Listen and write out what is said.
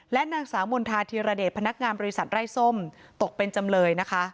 และนางสาวมณฑาธิรเดชพนักงานบริษัทไร้ส้มตกเป็นจำเลยนะคะ